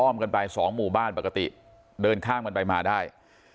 กันไปสองหมู่บ้านปกติเดินข้ามกันไปมาได้